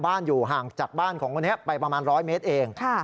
อยู่ห่างจากบ้านของคนนี้ไปประมาณ๑๐๐เมตรเอง